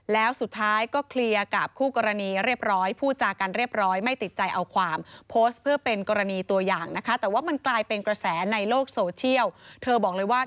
แล้วสุดท้ายก็เคลียร์กับคู่กรณีเรียบร้อยพูดจากันเรียบร้อยไม่ติดใจเอาความโพสต์เพื่อเป็นกรณีตัวอย่างนะคะแต่ว่ามันกลายเป็นกระแสในโลกโซเชียลเธอบอกเลยว่า